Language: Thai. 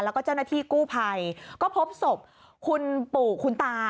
แล้วก็เจ้าหน้าที่กู้ภัยก็พบศพคุณปู่คุณตา